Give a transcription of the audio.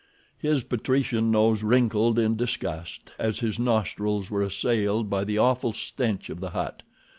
His patrician nose wrinkled in disgust as his nostrils were assailed by the awful stench of the hut.